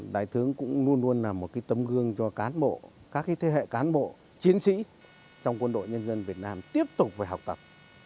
đại tướng cũng luôn luôn là một tấm gương cho cán bộ các thế hệ cán bộ chiến sĩ trong quân đội nhân dân việt nam tiếp tục phải học tập